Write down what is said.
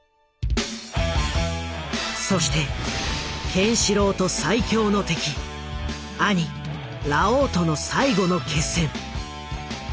そしてケンシロウと最強の敵兄ラオウとの最後の決戦。